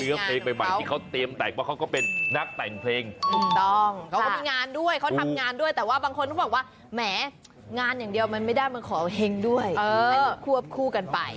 เออให้มันควบคู่กันไป